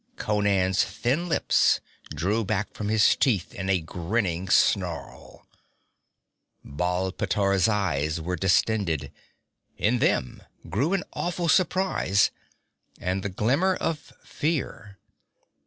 Conan's thin lips drew back from his teeth in a grinning snarl. Baal pteor's eyes were distended; in them grew an awful surprize and the glimmer of fear.